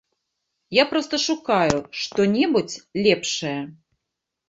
Я проста шукаю што-небудзь лепшае.